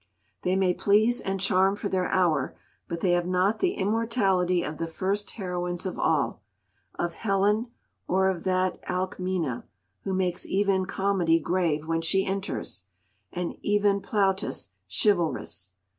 They may please and charm for their hour, but they have not the immortality of the first heroines of all—of Helen, or of that Alcmena who makes even comedy grave when she enters, and even Plautus chivalrous.